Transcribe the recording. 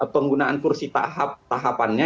penggunaan kursi tahapannya